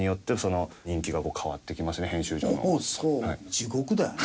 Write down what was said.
地獄だよな。